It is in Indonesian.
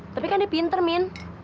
tapi kan dia pinter min